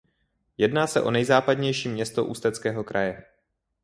Jedná se o nejzápadnější město Ústeckého kraje.